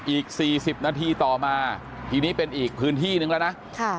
อีกสี่สิบนาทีต่อมาทีนี้เป็นอีกพื้นที่หนึ่งแล้วนะค่ะ